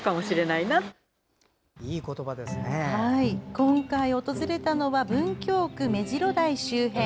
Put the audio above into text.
今回訪れたのは文京区目白台周辺。